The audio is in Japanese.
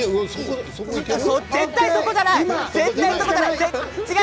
絶対にそこじゃない。